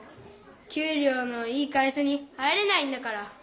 給りょうのいい会社に入れないんだから。